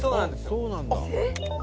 「そうなんですよ」